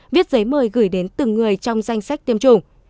viết giấy mời gửi đến từng người trong danh sách tiêm chủng